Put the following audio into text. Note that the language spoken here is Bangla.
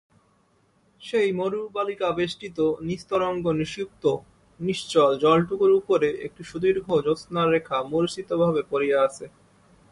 সেই মরুবালুকাবেষ্টিত নিস্তরঙ্গ নিষুপ্ত নিশ্চল জলটুকুর উপরে একটি সুদীর্ঘ জ্যোৎস্নার রেখা মূর্ছিতভাবে পড়িয়া আছে।